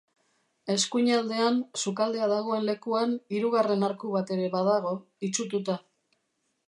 Eskuinaldean, sukaldea dagoen lekuan, hirugarren arku bat ere badago, itsututa.